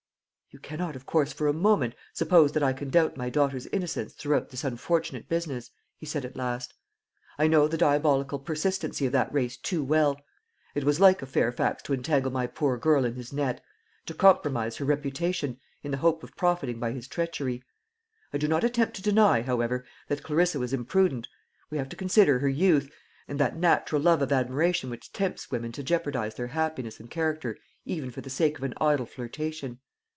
"You cannot, of course, for a moment suppose that I can doubt my daughter's innocence throughout this unfortunate business," he said at last. "I know the diabolical persistency of that race too well. It was like a Fairfax to entangle my poor girl in his net to compromise her reputation, in the hope of profiting by his treachery. I do not attempt to deny, however, that Clarissa was imprudent. We have to consider her youth, and that natural love of admiration which tempts women to jeopardise their happiness and character even for the sake of an idle flirtation.